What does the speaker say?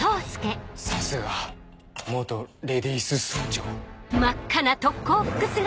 さすが元レディース総長。